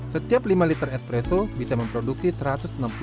setiap lima liter espresso bisa memproduksi satu ratus enam puluh bungkus kopi gel